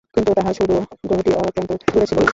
কিন্তু তাহার শুভগ্রহটি অত্যন্ত দূরে ছিল না।